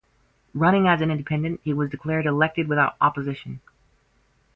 Running as an independent, he was declared elected without opposition.